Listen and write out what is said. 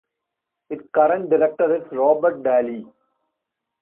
Its current director is Robert Daly.